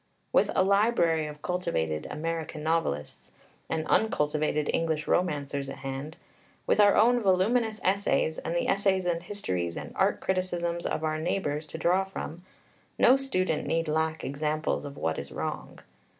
With a library of cultivated American novelists and uncultivated English romancers at hand, with our own voluminous essays, and the essays and histories and "art criticisms" of our neighbours to draw from, no student need lack examples of what is wrong.